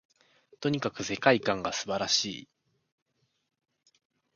とにかく世界観が素晴らしい